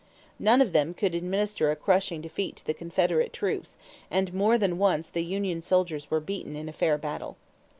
None of them could administer a crushing defeat to the Confederate troops and more than once the union soldiers were beaten in a fair battle.